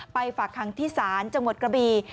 ฝากคังที่ศาลจังหวัดกระบี